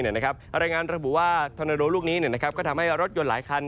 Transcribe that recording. อะไรยังงั้นสมมุติว่าธนดลูกนี้ก็ทำให้รถยนต์หลายคัน